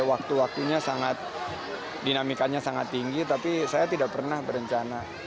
waktu waktunya sangat dinamikanya sangat tinggi tapi saya tidak pernah berencana